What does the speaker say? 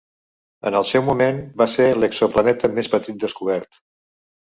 En el seu moment va ser l'exoplaneta més petit descobert.